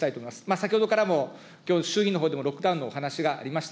先ほどからも、衆議院のほうでもロックダウンのお話がありました。